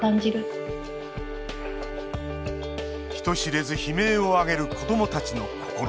人知れず悲鳴を上げる子どもたちの心。